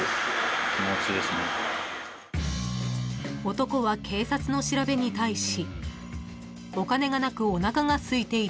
［男は警察の調べに対し］